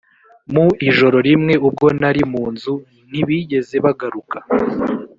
mu ijoro rimwe ubwo nari mu nzu ntibigeze bagaruka